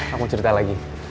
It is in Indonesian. aku cerita lagi